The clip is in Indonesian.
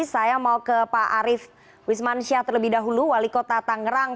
saya mau ke pak arief wismansyah terlebih dahulu wali kota tangerang